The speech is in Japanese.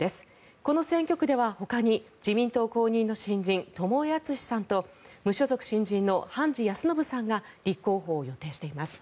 この選挙区ではほかに自民党公認の新人友江惇さんと無所属新人の判治康信さんが立候補を予定しています。